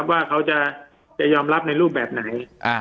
ว่าเขาจะยอมรับในรูปแบบไหน